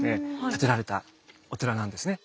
建てられたお寺なんですね。